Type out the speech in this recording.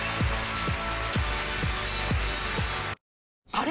あれ？